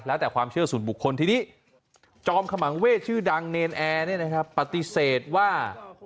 แล้วแต่ความเชื่อส่วนบุคคลทีนี้จอมขมังเวศชื่อดังเนรนแอร์ปฏิเสธว่า